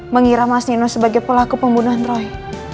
mengira mas nino sebagai pelaku pembunuhan roy